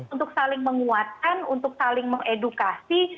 untuk saling menguatkan untuk saling mengedukasi